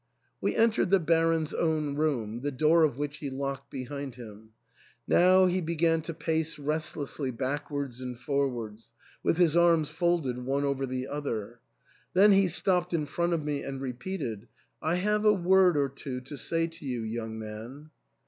We entered the Baron's own room, the door of which he locked behind him. Now he began to pace restlessly backwards and forwards, with his arms folded one over the other ; then he stopped in front of me and repeated, I have a word or two to say to you, young man."